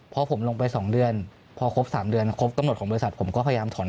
ประมาณเดือน๑๒เดือนครับผม